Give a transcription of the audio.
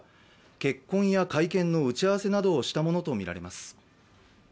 結婚や会見の打ち合わせなどをしたものと見られます。